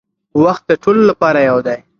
وخت د ټولو لپاره یو دی.